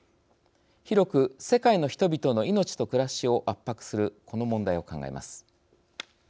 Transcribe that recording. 広く世界の人々の命と暮らしを圧迫するこの問題を考えます。